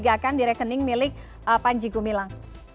temuan transaksi mencurigakan di rekening milik panji gumilang